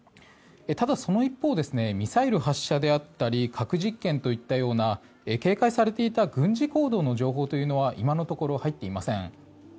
ただ、その一方でミサイル発射であったり核実験といったような警戒されていた軍事行動の情報というのは今のところ入っていません。